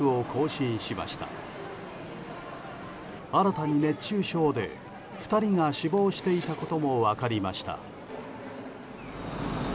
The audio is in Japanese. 新たに熱中症で２人が死亡していたことも分かりました。